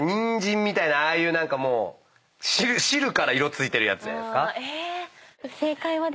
ああいう汁から色付いてるやつじゃないですか。